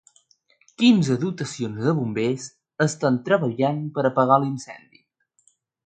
Quinze dotacions de bombers estan treballant per apagar l'incendi.